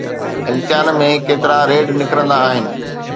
امتحان ۾ ڪيترا ريڊ نڪرندا آهن؟